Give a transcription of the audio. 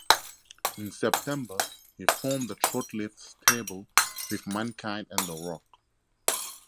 In September, he formed a short-lived stable with Mankind and The Rock.